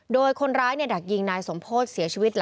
โดยคนร้ายดักยิงนายสมโพธิเสียชีวิต